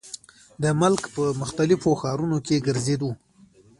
د ملک پۀ مختلفو ښارونو کښې ګرزيدو ۔